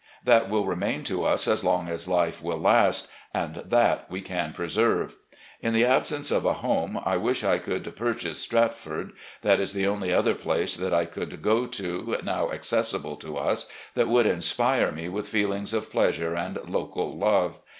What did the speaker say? That will remain to us as long as life will last, and that we can preserve. In the absence of a home, I wish I could pmchase 'Stratford.' That is the only other place that I could go to, now acces sible to us, that would inspire me with feelings of pleasure and local love.